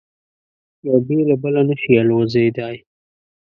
یو بې له بله نه شي الوزېدای.